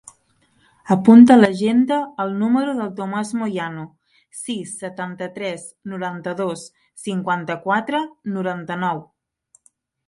Apunta a l'agenda el número del Tomàs Moyano: sis, setanta-tres, noranta-dos, cinquanta-quatre, noranta-nou.